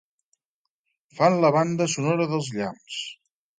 Fan la banda sonora dels llamps.